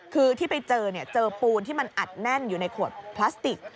คือที่ไปเจอเนี่ยเจอปูนที่มันอัดแน่นอยู่ในขวดพลาสติก